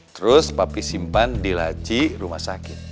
terus papi simpan di laci rumah sakit